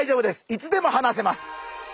いつでも放せます。